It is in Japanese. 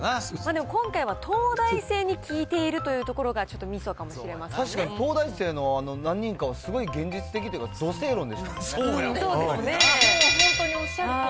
今回は東大生に聞いているというところがちょっとみそかもし確かに、東大生の何人かは、すごい現実的というか、そうですね。